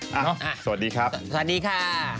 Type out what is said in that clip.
สวัสดีครับสวัสดีค่ะ